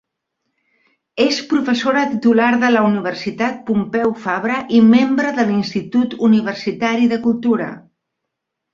És professora titular de la Universitat Pompeu Fabra i membre de l’Institut Universitari de Cultura.